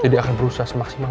jadi akan berusaha semaksimal